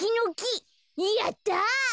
やった！